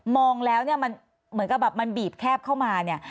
องแล้วเนี่ยมันเหมือนกับแบบมันบีบแคบเข้ามาเนี่ย